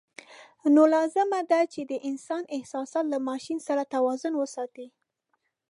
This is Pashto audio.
نو لازم ده چې د انسان احساسات له ماشین سره توازن وساتي.